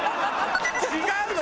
違うの？